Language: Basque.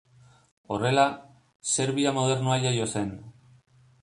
Horrela, Serbia modernoa jaio zen.